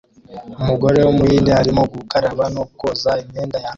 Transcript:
Umugore wumuhinde arimo gukaraba no koza imyenda yanduye